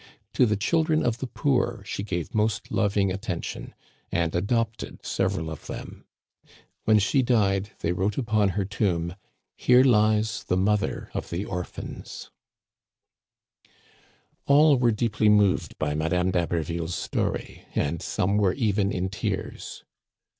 To the children of the poor she gave most loving attention, and adopted several of them. When she died they wrote upon her tomb, ' Here lies the mother of the orphans.' " Digitized by VjOOQIC l66 THE CANADIANS OF OLD. All were deeply moved by Madame d*Haberville's story, and some were even in tears.